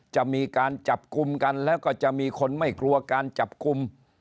จะมีการจับกลุ่มกันแล้วก็จะมีคนไม่กลัวการจับกลุ่ม